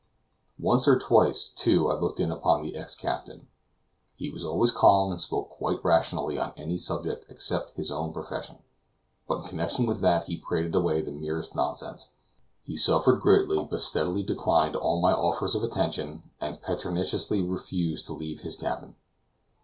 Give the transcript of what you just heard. Once or twice, too, I looked in upon the ex captain. He was always calm and spoke quite rationally on any subject except his own profession; but in connection with that he prated away the merest nonsense. He suffered greatly, but steadily declined all my offers of attention, and pertinaciously refused to leave his cabin.